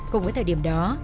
cùng với thời điểm đó